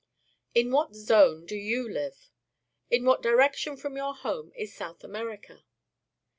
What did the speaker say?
In what zone do you live? In what direction from your home is South America?